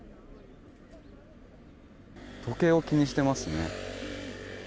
時計を気にしていますね。